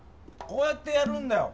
こうやってやるんだよ。